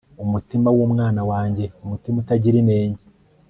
Umutima wumwana wanjye umutima utagira inenge